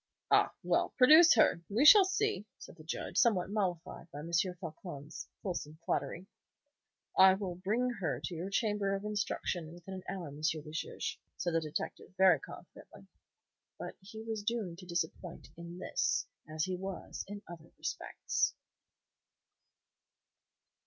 "Ah, well, produce her! We shall see," said the Judge, somewhat mollified by M. Floçon's fulsome flattery. "I will bring her to your chamber of instruction within an hour, M. le Juge," said the detective, very confidently. But he was doomed to disappointment in this as he was in other respects.